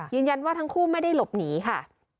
ยืนยันว่าทั้งคู่ไม่ได้หลบหนีค่ะ